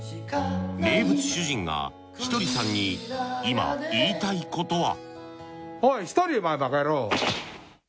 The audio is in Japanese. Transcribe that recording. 名物主人がひとりさんに今言いたいことは？